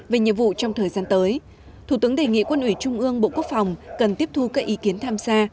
về nhiệm vụ trong thời gian tới thủ tướng đề nghị quân ủy trung ương bộ quốc phòng cần tiếp thu các ý kiến tham gia